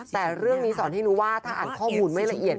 แต่เรื่องนี้สอนให้รู้ว่าถ้าอ่านข้อมูลไม่ละเอียด